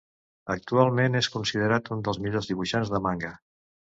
Actualment, és considerat un dels millors dibuixants de manga.